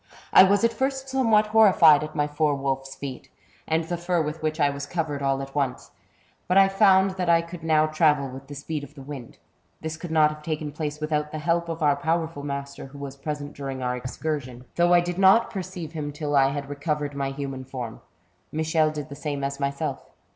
I was at first somewhat horrified at my four wolfs feet, and the far with which I was covered all at once, but I found that I could now travel with the speed of the wind. This could not have taken place without the help of our powerful master, who was present during our excursion, though I did not 72 THE BOOK OF WERE WOLVBS. perceive him till I had recovered my hnman form. Michel did the same as myself.